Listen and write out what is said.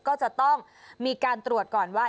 ก็จะต้องมีการตรวจก่อนว่า